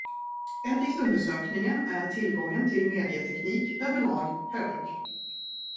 Enligt undersökningen är tillgången till medieteknik överlag hög.